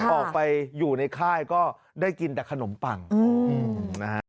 ออกไปอยู่ในค่ายก็ได้กินแต่ขนมปังนะฮะ